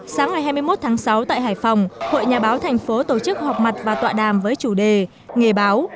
sáng ngày hai mươi một tháng sáu tại hải phòng hội nhà báo thành phố tổ chức họp mặt và tọa đàm với chủ đề nghề báo